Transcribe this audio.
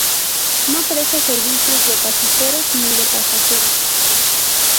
No presta servicios de pasajeros ni de pasajeros.